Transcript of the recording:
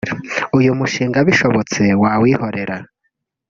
uyu mushinga bishobotse wawihorera”